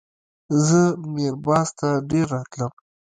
زه میر بازار ته ډېر راتلم.